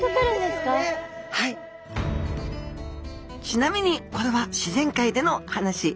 ちなみにこれは自然界での話。